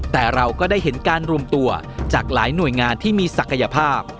แต่เราก็ได้เห็นการรวมตัวจากหลายหน่วยงานที่มีศักยภาพ